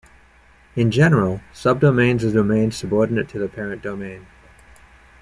In general, subdomains are domains subordinate to their parent domain.